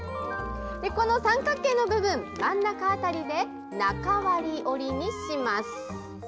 この三角の部分、真ん中辺りで中割折りにします。